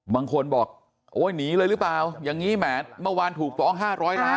บางคนบอกโอ๊ยหนีเลยหรือเปล่าอย่างนี้แหมเมื่อวานถูกฟ้อง๕๐๐ล้าน